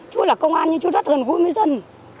chú là công an nhưng chú rất gần gũi với dân